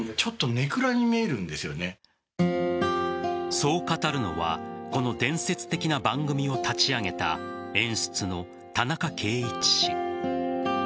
そう語るのはこの伝説的な番組を立ち上げた演出の田中経一氏。